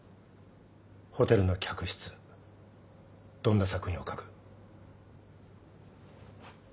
ホテルの客室どんな作品を書く？